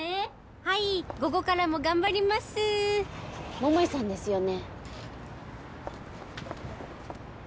はい午後からも頑張りますー桃井さんですよね？